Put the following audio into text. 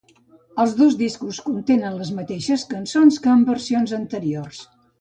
Els dos discos contenen les mateixes cançons que en versions anteriors.